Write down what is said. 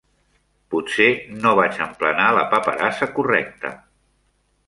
Potser, no vaig emplenar la paperassa correcta.